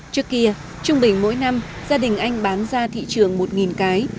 trước kia trung bình mỗi năm gia đình anh bán ra thị trường một cái